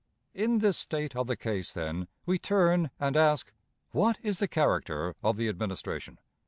In this state of the case, then, we turn and ask, What is the character of the Administration?